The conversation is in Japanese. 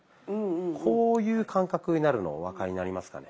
こういう感覚になるのお分かりになりますかね。